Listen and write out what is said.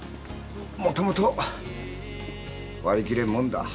もともと割り切れんもんだ。